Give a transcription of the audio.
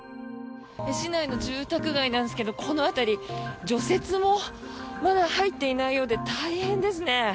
市内の住宅街なんですけどこの辺り除雪もまだ入っていないようで大変ですね。